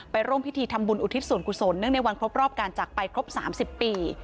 ร่วมพิธีทำบุญอุทิศส่วนกุศลเนื่องในวันครบรอบการจักรไปครบ๓๐ปี